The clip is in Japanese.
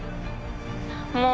もう。